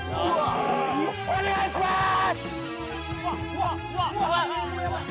お願いします！